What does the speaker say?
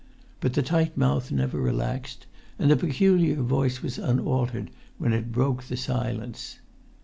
But the tight mouth never relaxed, and the peculiar voice was unaltered when it broke the silence.